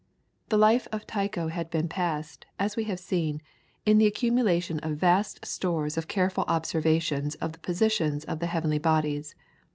The life of Tycho had been passed, as we have seen, in the accumulation of vast stores of careful observations of the positions of the heavenly bodies.